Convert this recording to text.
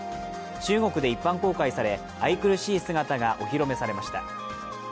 中国で一般公開され、愛くるしい姿がお披露目されました。